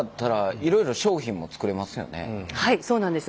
はいそうなんです。